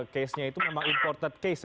case nya itu memang imported case